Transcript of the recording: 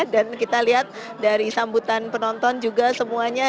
dan kita lihat dari sambutan penonton juga semuanya ya mendukung